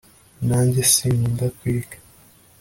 nanjye sinkunda kwiga